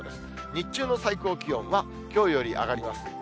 日中の最高気温は、きょうより上がります。